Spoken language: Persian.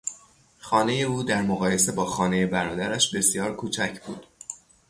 خانهی او در مقایسه با خانهی برادرش بسیار کوچک بود.